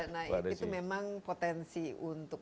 nah itu memang potensi untuk